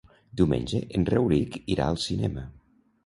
Diumenge en Rauric irà al cinema.